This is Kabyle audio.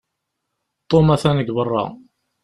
Tom atan deg beṛṛa.